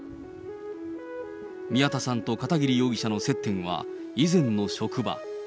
宮田さんと片桐容疑者の接点は、以前の職場。